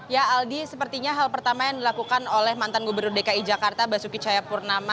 ya aldi sepertinya hal pertama yang dilakukan oleh mantan gubernur dki jakarta basuki cahayapurnama